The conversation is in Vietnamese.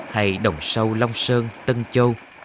hay đồng sâu long sơn tân châu